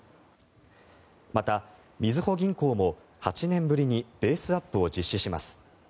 また、みずほ銀行も８年ぶりにベースアップを実施します。